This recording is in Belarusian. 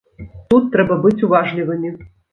Тут трэба быць уважлівымі.